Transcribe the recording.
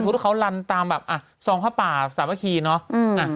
สมมุติว่าเขาลันตามแบบอ่ะสองภาพป่าสามภาคีเนอะอืมอ่ะ